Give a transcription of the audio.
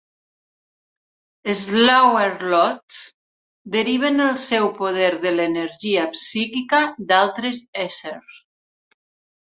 "Slaver Lords" deriven el seu poder de l'energia psíquica d'altres essers.